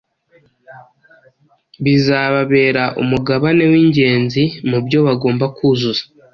bizababera umugabane w’ingenzi mu byo bagomba kuzuza